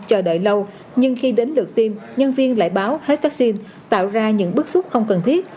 chờ đợi lâu nhưng khi đến lượt tiêm nhân viên lại báo hết vaccine tạo ra những bước xuất không cần thiết